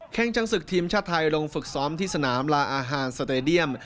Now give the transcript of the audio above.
จังศึกทีมชาติไทยลงฝึกซ้อมที่สนามลาอาหารสเตดียม